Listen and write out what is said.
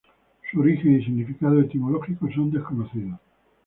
Su origen y significado etimológico son desconocidos.